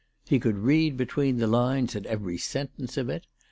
He could read between the lines at every sentence of it.